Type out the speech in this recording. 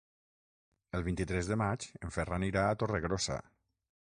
El vint-i-tres de maig en Ferran irà a Torregrossa.